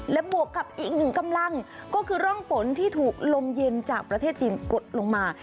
และบวกกับอีกหนึ่งกำลังก็คือร่องฝนที่ถูกลมเย็นจากประเทศจีนกดลงมา